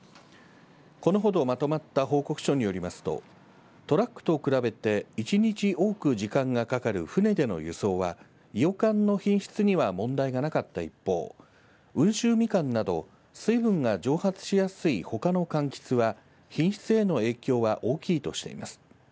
このほど、まとまった報告書によりますとトラックと比べて１日多く時間がかかる船での輸送はいよかんの品質には問題がなかった一方温州みかんなど水分が蒸発しやすいほかのかんきつは品質への影響は大きいとしています。